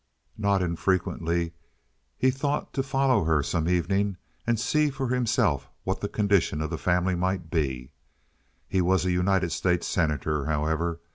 Not infrequently he thought to follow her some evening, and see for himself what the condition of the family might be. He was a United States Senator, however.